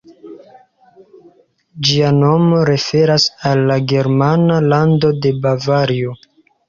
Ĝia nomo referas al la germana lando de Bavario.